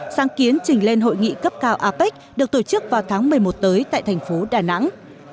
sáng kiến trình lên hội nghị cấp cao apec được tổ chức vào tháng một mươi một tới tại thành phố đà nẵng